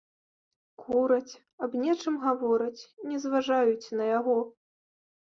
Кураць, аб нечым гавораць, не зважаюць на яго.